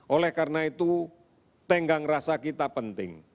oleh karena itu tenggang rasa kita penting